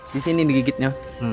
di sini digigitnya